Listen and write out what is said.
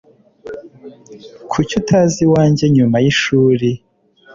Kuki utaza iwanjye nyuma yishuri